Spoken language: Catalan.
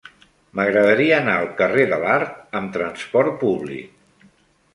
M'agradaria anar al carrer de l'Art amb trasport públic.